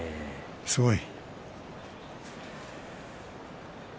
すごい！